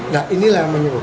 nah inilah yang menurutku